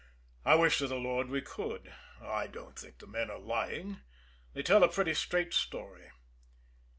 "I wish to the Lord we could. I don't think the men are lying they tell a pretty straight story.